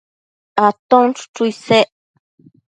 Aton chuchu isec